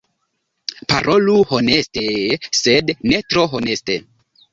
Parolu honeste... sed ne tro honeste.